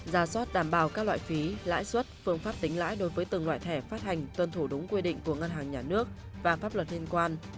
ra soát đảm bảo các loại phí lãi suất phương pháp tính lãi đối với từng loại thẻ phát hành tuân thủ đúng quy định của ngân hàng nhà nước và pháp luật liên quan